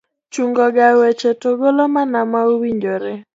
chungo ga weche to golo mana ma owinjore.